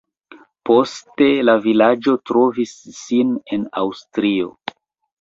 Poste la vilaĝo trovis sin en Aŭstrio.